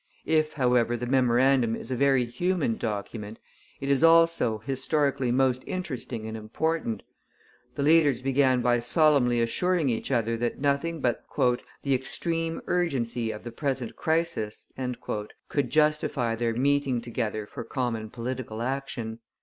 If, however, the memorandum is a very human document, it is also historically most interesting and important. The leaders began by solemnly assuring each other that nothing but 'the extreme urgency of the present crisis' could justify their meeting together for common political action.